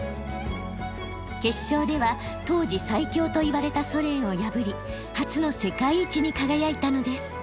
決勝では当時最強といわれたソ連を破り初の世界一に輝いたのです。